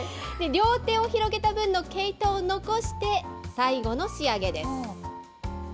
両手を広げた分の毛糸を残して、最後の仕上げです。